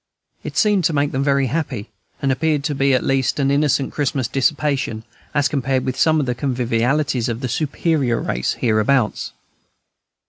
It seemed to make them very happy, and appeared to be at least an innocent Christmas dissipation, as compared with some of the convivialities of the "superior race" hereabouts.